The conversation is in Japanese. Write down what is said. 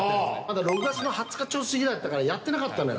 ６月の２０日ちょい過ぎだったから、やってなかったのよ。